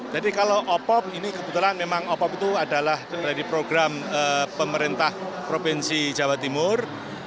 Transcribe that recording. jadi kalau opop ini kebetulan memang opop itu adalah program pemerintah provinsi jawa timur